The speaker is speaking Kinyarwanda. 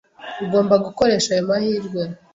Ugomba gukoresha ayo mahirwe.